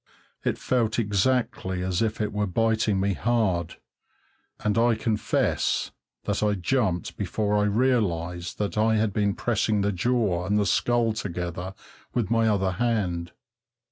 It felt exactly as if it were biting me hard, and I confess that I jumped before I realised that I had been pressing the jaw and the skull together with my other hand.